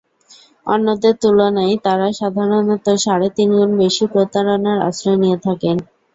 অন্যদের তুলনায় তাঁরা সাধারণত সাড়ে তিন গুণ বেশি প্রতারণার আশ্রয় নিয়ে থাকেন।